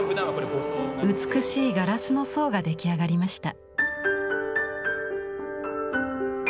美しいガラスの層が出来上がりました。